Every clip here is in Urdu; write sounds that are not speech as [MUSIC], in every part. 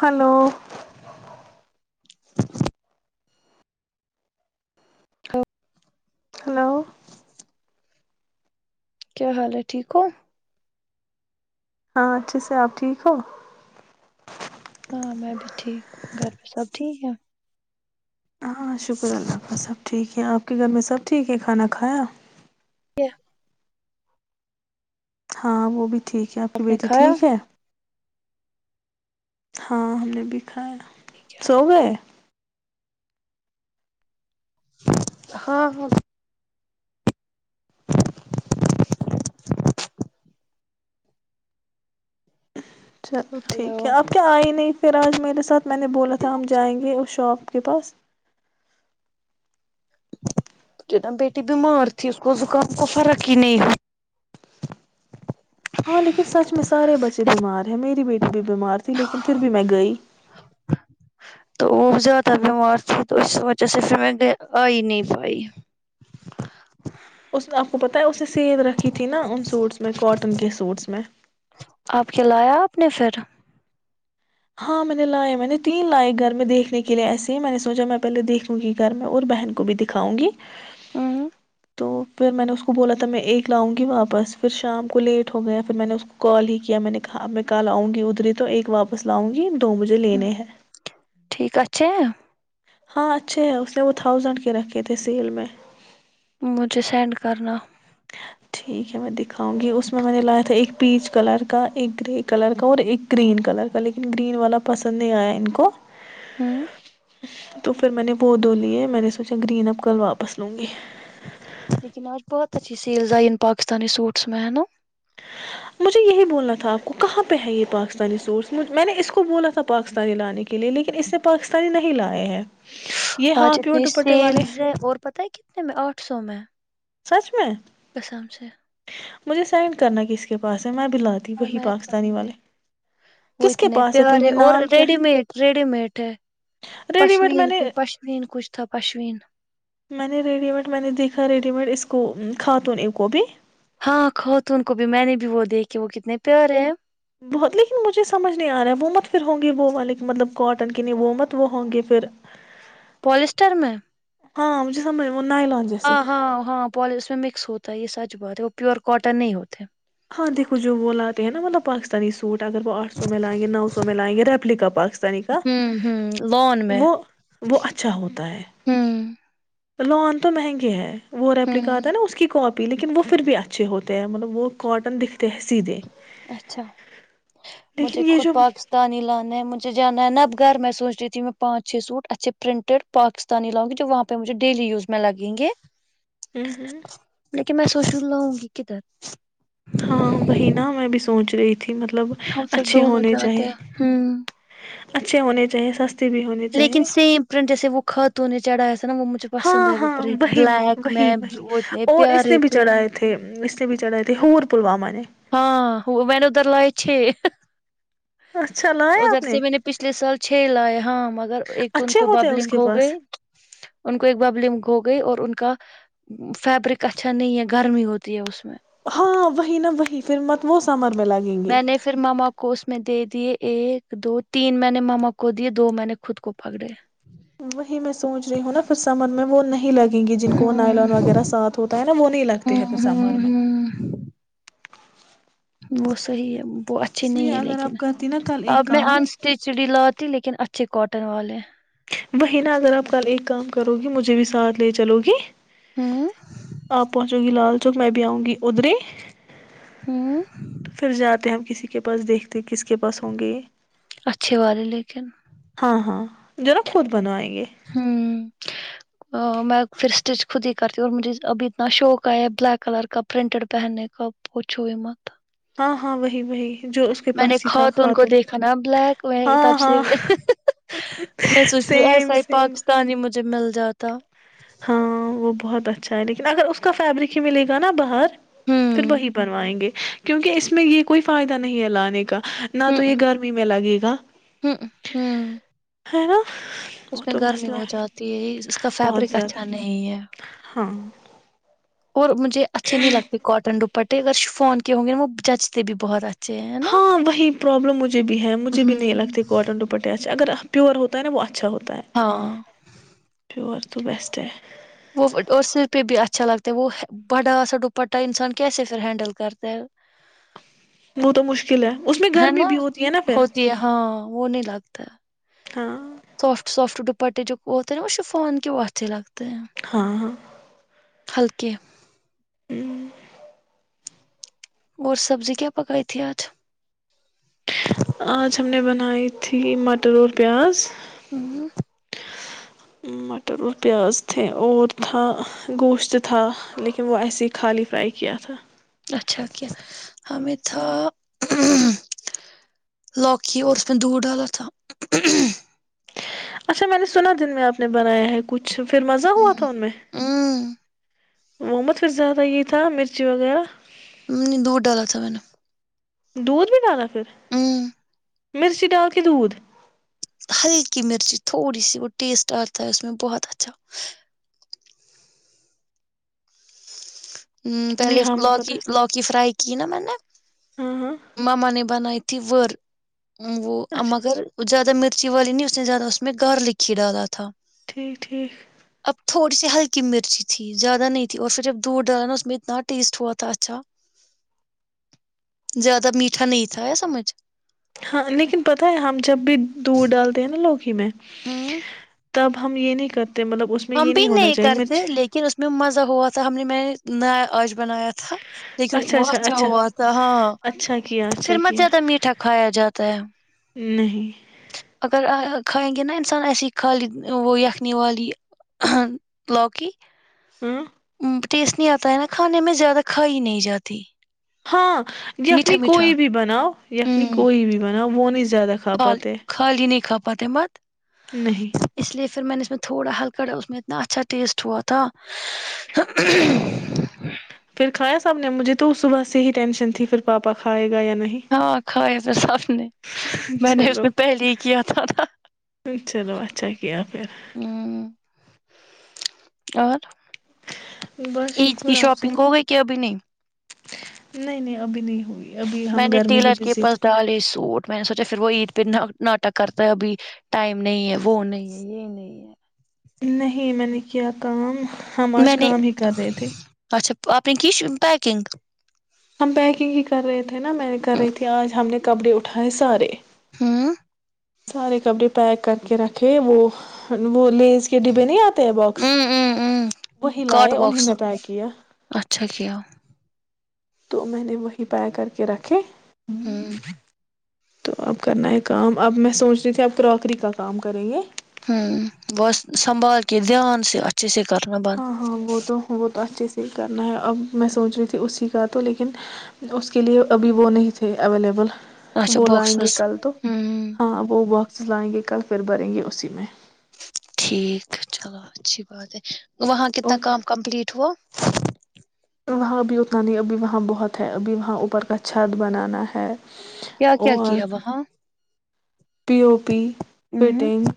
ہلو [INAUDIBLE] ا [INAUDIBLE] ہلو کیا حال ہے ٹھیک ہو؟ ہاں اچھے سے آپ ٹھیک ہو ہاں میں بھی ٹھیک ہ گھر پہ سب ٹھیک ہے ہاں شکر اللہ کا سب ٹھیک ہے آپ کے گھر میں سب ٹھیک ہے کھانا کھایا [INAUDIBLE] ہاں وہ بھی ٹھیک ہے آپ کی نے بیٹی کھایا ٹھیک ہے ہاں ہل بھی سو گ ہے ہاں ہاں [INAUDIBLE] چلو ٹھیک ہے ہلو اب کیا آئی ہی نہیں پھر آج میرے ساتھ میں نے بولا تھا ہم جائیں گے اس شاپ آپ کے پاس ج ن بیٹی بیمار تھی اس کو زکام کو فرق ہی نہیں ہو ہاں لیکن سچ میں سارے بچے بیمار ہیں میری بیٹی بھی بیمار ت ت لیکن پھر بھی میں گئی تو وہ زیادہ بیمار تھے تو اس وجہ سے پھر میں آئی نہیں پائی اس آپ کو پتا ہے اس سے سیل رکھی تھی نا ان سوٹس میں کاٹن کے سوٹس میں اپنے سر ہاں میں نے لائے میں نے تین لائے گھر میں دیکھنے کے لیے ایسے ہی میں نے سوچا میں پہلے دیکھوں گی گھر میں اور بہن کو بھی دکھاؤں گی ہاں تو پھر میں نے اس کو بولا تھا میں ایک لاؤں گی واپس پھر شام کو لیٹ ہو گئے ہیں پھر میں نے اس کو کال ہی کیا میں نے کہا اب میں کل اؤں گی ادھر ہی تو ایک واپس لاؤں گی دو بجے لینے ہیں ٹھیک اھ ہاں اچھے ہیں اس نے وہ تھاؤزینڈ کے رکھے تھے سیل میں مجھے سینڈ کرنا ٹھیک ہے میں دکھاؤں گی اس میں میں نے لایا تھا ایک پیچ کلر کا ایک گرے کلر کا اور ایک گرین کلر کا لیکن گرین والا پسند نہیں آیا ان کو ہوں تو پھر میں نے وہ دو لیے میں نے سوچا گرین اپ کل واپس لوں گی لیکن آج بہت اچھی سیلز آئی ان پاکستانی سوٹس میں ہے نا مجھے یہی بولنا تھا آپ کو کہاں پہ ہے یہ پاکستانی سورس میں نے اس کو بولا تھا پاکستانی لانے کے لیے لیکن اس نے پاکستانی نہیں لائے ہیں یہ ہاں آج پیور اتنی دوپٹے والے ہیں۔ سیلز ہے اور پت ہے کتنے میں آٹھ سو میں سچ میں کسام سے مجھے سائن کرنا کس کے پاس ہے میں بھی لاتی ہاں وہی میں کروں پاکستانی گی والے وہ کس کے اتنے پاس ہے پھر بھی پیارے اور نام کیا ریڈی مٹ ریڈی مڈ ہے ریڈی میڈ میں پشین ک نے پشین کچھ تھا پشین میں نے ریڈی میڈ میں نے دیکھا ریڈی میڈ اس کو کاتون کو بھی ہاں کھو تو ان کو بھی میں نے بھی وہ دیکھھی وہ کتنے پیارے ہیں بہت لیکن مجھے سمجھ نہیں آ رہا ہے وہ مت پھر ہوں گے وہ والے مطلب کاٹن کے نہیں وہومت وہ ہوں گے پھر پولسٹر میں ہاں مجھے سمج ہاں ہاں ہاں پال اس میں مکس ہوتا ہے یہ سچ بہت ہے وہ پیور کاٹن نہیں ہوتے ہاں دیکو جو بولاتتے ہیں نا مطلب پاکستانی ہوں ہوں لون میں س پ ہوں لون تو مہنگے ہیں وہ ریپلیک ہوں آ ہے نا اس کی کاپی لیکن وہ پھر بھی اچھے ہوتے ہیں مطلب وہ کاٹن دکھ اچھا لیکن مجھے یہ خود جو پاکستانی لانا ہے مجھے جانا ہے نا گھر میں سوچ رہی تھی میں پانچ چھ سوٹ اچھے پرنٹیڈ پاکستانی لاؤں گی جو وہاں پہ مجھے ڈیلی یوز میں لگیں گے ہوں ہوں کہ میں سوچن لاوںں گی کدھر ہاں بہ میں بھی سوچ رہی تھی مطلب ہم پھر اچھے دونوں ہونے جاتے چاہے ہیں ہوں اچھے ہونے چاہیے ستے لیکن سیم پرنٹ جیسے وہ کھاتو نے چڑا ہاں ہاں وہی وہی میں وہی وہ اتنے اور اس پیارے نے بھی تھے چڑھائے تھے سے بھی چڑھا ہے تھ ہوور پلواما ہاں وین ادھر لائے چھ اچھا لایا ادھر آپ سے میں نے پچھلے سال چھ لائے ہاں مگر ایک تو ان اچھے کو ہوتے ہیں اس ببلنگ کے ہو گئے پاس ان کو ایک ببلنگ ہو گئی اور ان کا فیبرک اچھا نہیں ہے گرمی ہوتی ہے اس میں ہاں وہی نہا وہی پھر مت وہ سمر میں لگیں گے میں نے پھر ماما کو اس میں دے دیے ایک دو تین میں نے مما کو دیے دو میں نے خود کو پکڑے وہی میں سوچ رہی ہوں نا پھر سمجھ میں وہ نہیں لگے یں گی جن کو وہ ہوں نائلان وغیرہ سات ہوتا ہے وہ نہیں لگتی ہے ہوں پھر سمر ہوں میں ہوں وہ صحیح ہے وہ اچھی اس لیے نہیں ہے اگر لیکن آپ کرتی نا کل ایک اب میں کام انٹیچڈ لات لیکن اچھے کاٹن والے وہی نا اگر آپ کل ایک کام کرو گی مجھے بھی ساتھ لے چلو گی ہوں آپ پہنچو گی لال میں بھی آؤں گی ادھر ہی ہوں تو پھر جاتے ہم کسی کے پاس دیکھتے کس کے پاس ہوں گے اچھے والے لیکن ہاں ہاں جو نا خود بنوائیں گے ہوں [INAUDIBLE] میں پھر اسٹچ خود ہی کرتی ہوں اور مجھے ابھی اتنا شوق آیا ہے بلیک کلر کا پرنٹڈ پہننے کا پوچھوئی مت ہاں ہاں وہ میں نے کھا تو ان کو دیکھا نا بلیک وہ ہاں تب سے ہاں میں سوچ رہ سیم ایسا ہی سیم پاکستانی مجھے مل جات تھاہ ہاں وہ بہت اچھا ہے لیکن اگر اس کا فیبرک ہی ملے گا نا باہر پھر ہوں وہی بنوائیں گے کیونکہ اس میں یہ کوئی فائدہ نہیں ہے لانے کا نہ ہوں تو یہ گرمی میں لگے گا ہوں ہوں ہے نا اس وہ میں تو گرمی مسئلہ ہو جاتی ہے اس کا بہت فیبرک اچھا نہیں ہے ہاں [INAUDIBLE] اور مجھے اچھے نہیں لگتے کاٹن ڈپ بٹے اگر ش فون کے ہوں گے ن وہ جچتے بھی بہت اچھا ہاں وہی پرابلم مجھے بھی ہے مجھے بھی نہیں ہوں لگتی کاٹن دوپٹے اچھے اگر پیور ہوتا ہے ن وہ اچھا ہوتا ہاں پ [INAUDIBLE] سب تو بیسٹ ہے وہ اور سر پہ بھی اچھا لگتا ہے وہ بڑا سا دوپٹہ انسان کیسے پھر ہینڈل کرتا ہے وہ تو مشکل ہے اس میں ہے گرمی نا بھی ہوتی ہے نا پھر ہوتی ہے ہاں وہ نہیں لگتا ہاں [INAUDIBLE] سافٹ سافٹ دپٹے جو ہوتے ہیںا شیفان کی اچھے لگتے ہیں ہاں ہاں ہلکے ہ [INAUDIBLE] اور سبزی کیا پکائی تھی آج نائیتھی مٹر اور پیاز ہوں [INAUDIBLE] مٹر اور پیاز تھے اور تھا گوشت تھا لیکن وہ ایسے ہی خالی فرائی کیا تھا اچھا [INAUDIBLE] ہمیں تھا [UNINTELLIGIBLE] اچھا میں نے سنا دن میں آپ نے بنایا ہے کچھ اچھا پھر مزہ ہوا تھا ان میں ہوں وہ مت پھر زیادہ یہی تھا مرچی وغیرہ نہیں دور ڈالا تھا میں نے دودھ ب ڈانا کر امم، [INAUDIBLE] مرچی ڈال کے دودھ ہلکی مرچی تھوڑی سی وہ ٹیسٹ آتا ہے اس میں بہت اچھا ہ نہیں پہلے ہاں پتا لوکی لوکی فرائی کی نا میں نے ہے، ہاں ہاں مم نے بنئیت تور وہ اچھا مگر ج [INAUDIBLE] زیادہ مرچ والی نہیں اس نے زیادہ اس میں گارلک ہی ڈالا تھا ٹھیک ٹھیک اب تھوڑی سی ہلکی مرچی تھی زیادہ نہیں تھی اور پھر جب دودھ ڈالا نا اس میں اتنا ٹیسٹ ہوا تھا اچھا زیادہ میٹھا نہیں تھا سمجھ ہاں لیکن پتا ہے ہم جب بھی دور ڈالتے ہیں نا لوک ہی میں ہاں تب ہم یہ نہیں کرتے مطلب اس میں ہم یہ بھی ہونا نہیں چاہیے کرتے مرچ لیکن اس میں مزہ ہوتا تھا ہم نے میں نے نیا آج بنایا تھا لیکن وہ اچھا ہوا تھا ہاں اچھا کیا اچھا پھر مت کیا زیادہ میٹھا کھایا جاتا ہے نہیں اگر کھائیں گے نا انسان ایسی خالی وہ یخنی والی ہ لوکی ہوں ٹیسٹ نہیں آتا ہے نا کھانے میں زیادہ کھا ہی نہیں جاتی ہاں میٹھا یخنی میٹھا کوئی بھی بناؤ یکھنی ہوں کوئی بھی بناؤ وہ نہیں زیادہ کھا خال پاتے خالی نہیں کاپات مت نہیں [INAUDIBLE] پھر کایا ساب نے مجھے تو صبح سے ہی ٹینشن تھی پھر پاپا کھائے گا یا نہیں ہاں کھائے تھے سب نے میں نے اس چلو میں پہلے ہی کیا تھا تھا چلو اچھا کیا پھر ہ اور بس عید کی شکر آپ سنا شاپنگ ہو گئی کہ ابھی نہیں نہیں نہیں ابھی نہیں ہوئی ابھی ہم میں نے گھر ہی ٹیلر کے بزی پاس تھے ڈالی سوٹ میں نے سوچا پھر وہ عید پہ ناٹک کرتا ہے ابھی ٹائم نہیں ہے وہ نہیں ہے یہ نہیں ہے نہیں میں نے کیا کا میں نے اچھا اپنی کی پیکنگ ہم پیکنگ ہی کر رہے تھے نا میں نے کر رہی تھی آج ہم نے کپڑے اٹھائے سارے ہاں سارے کپڑے پیک کر کے رکھے وہ وہ لیز کے ڈبے نہیں آتے باکس ہوں وہی کاٹ لائے انہیں باکس میں پیک کیا اچھا کیا تو میں نے وہی پیک کر کے رکھے ہاں تو اب کرنا ہے کام اب میں سوچ رہی تھی آپ کراکری کا کام کریں گے ہوں بس سنبھال کے دھیان سے اچھے سے کرنا بند ہاں ہاں وہ تو وہ تو اچھے فل کرنا ہے اب میں سوچ رہی تھی اسی کا تو لیکن اس کے لیے ابھی وہ نہیں تھے اویلیبل اچھا وہ لائیں گے باکسز کل تو ہوں ہاں وہ وق س لائیں گے کل پھر بھریں گے اسی میں [UNINTELLIGIBLE] ٹھیک ہے چلو اچھی بات ہے [UNINTELLIGIBLE] وہاں کتنا اور کام کمپلیٹ ہوا [UNINTELLIGIBLE] کیا وہاں ابھی اتنا نہیں ابھی وہاں بہت ہے ابھی وہاں اوپر کا چھت بنانا ہے کیا [UNINTELLIGIBLE] کیا اور کیا وہاں پی او پی ہوں فٹنگ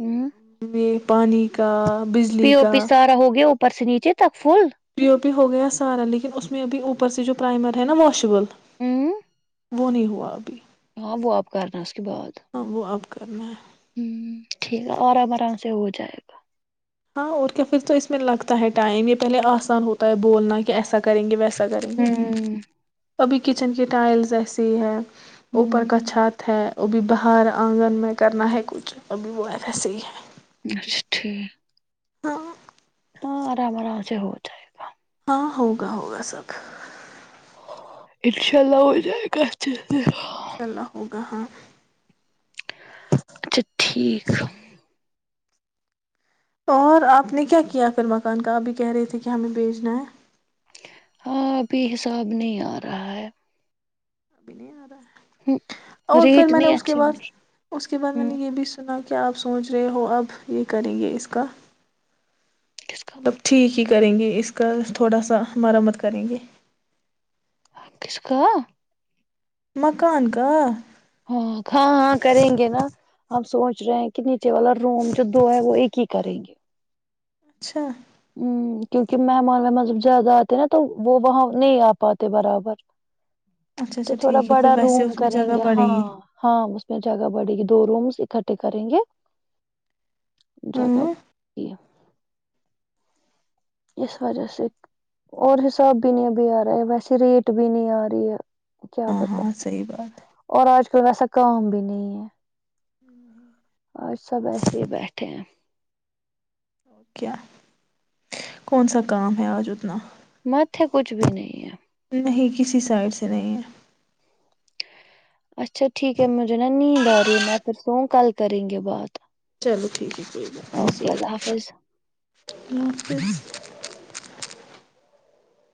ہوں یہ [UNINTELLIGIBLE] پانی کا [UNINTELLIGIBLE] پی او پی کا سارا ہو گیا [UNINTELLIGIBLE] پرسنیچے تک [INAUDIBLE] فل [INAUDIBLE] پی او ہو گیا سارا لیکن اس میں اب اوپر سے جو پرائمر ہے نا واشیبل [UNINTELLIGIBLE] ہوں [INAUDIBLE] وہ نہیں ہوا ابھی [UNINTELLIGIBLE] ہاں وہ آپ کرنا اس کے بعد ہاں وہ [UNINTELLIGIBLE] اب کرنا [INAUDIBLE] ہ ٹھیک ہے اورام آرام سے ہو جائے گا [UNINTELLIGIBLE] ہاں اور کیا پھر تو اس میں لگتا ہے ٹائم یہ پہلے آسان ہوتا ہے بولنا کہ ایسا کریں گے ویسا [UNINTELLIGIBLE] پ کریں گے ہوں [INAUDIBLE] ابھی کچن کی ٹائلز ایسسی ہی ہیں [UNINTELLIGIBLE] اوپر ہوں کا چھات ہے [UNINTELLIGIBLE] وہ بھیھی باہر آنگن میں کرنا ہے کچھ ابھی ویرہسح ہی ہے [UNINTELLIGIBLE] اچھا ٹھیک [UNINTELLIGIBLE] ہاں [INAUDIBLE] ہاں آرام آرام سے ہو جائے گا [UNINTELLIGIBLE] ہاں ہوگا ہوگا سب [INAUDIBLE] انشاء اللہ ہو جائے گال [UNINTELLIGIBLE] انشاءلہ ہو گا ہاں [UNINTELLIGIBLE] اچھا ٹھیک [UNINTELLIGIBLE] اور آپ نے کیا کیا پھر مکان کا اب بھی کہہ رہے [UNINTELLIGIBLE] تھے کہ ہمیں بھیجنا ہے ہاں ابھی حساب نہیں آ رہا ہے [UNINTELLIGIBLE] اب نہیں آ رہا ہمم ہے [INAUDIBLE] اور پھر ریٹ میں نے نہیں اس کے اچھے مل بعد رہے اس کے بعد میں نے ہمم یہ بھی سنا [UNINTELLIGIBLE] کیا آپ سوچ رہے ہو اب یہ کریں گے اس کا کس [UNINTELLIGIBLE] کا مطلب ٹھیک [INAUDIBLE] ی کریں گے اس کا تھوڑا سا مرمت کریں گے ہ کس کا [INAUDIBLE] مکان کا [UNINTELLIGIBLE] ہاں ہاں ہاں کریں گے نا ہم سوچ رہے ہیں کہ نیچے والا روم جو دو ہے وہ ایک ہی کریں گے [UNINTELLIGIBLE] اچھا ہ کیونکہ مہمان وہمان سب زیادہ آتے ہیں نا تو وہ [UNINTELLIGIBLE] وہاں نہیں آ پاتے برابر اچھا تو اچھا تھوڑا ٹھیک ہے پھر بڑا ویسے روم اس میں کریں جگہ گے پڑے ہاں گی ہاں اس میں جگہ بڑے گی دو رومس اکٹھے کریں گے جگہ ہاں اس وجہ سے اور حساب بھی نہیں ابھی آ رہا ہے ویسے ریٹ بھی نہیں آ رہی ہے کیا ہاں بتا ہاں صحیح بات ہے۔ اور آج کل ویسا کام بھی نہیں ہے ہوں ہوں آج سب ایسے ہی بیٹھے ہیں او کیا کون سا کام ہے آج اتنا متے کچھ بھی نہیں ہے نہیں کسی سائڈ سے نہیں ہے اچھا ٹھیک ہے مجھے نا نیند آ رہی ہے میں پھر سووں کل کریں گے بات چلو ٹھیک ہے اوکے اللہ حافظ [INAUDIBLE]